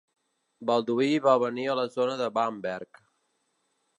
Balduí va venir de la zona de Bamberg.